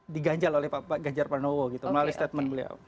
diganjal oleh pak ganjar pranowo gitu melalui statement beliau